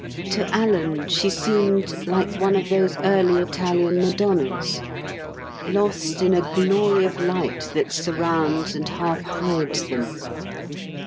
To Alan, she seemed like one of those early Italian Madonnas, lost in a glory of light that surrounds and half hides them.